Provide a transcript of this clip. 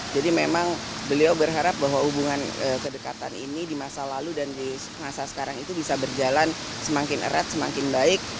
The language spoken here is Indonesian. jadi memang beliau berharap bahwa hubungan kedekatan ini di masa lalu dan di masa sekarang itu bisa berjalan semakin erat semakin baik